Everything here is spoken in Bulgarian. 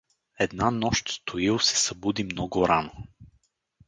Една нощ Стоил се събуди много рано.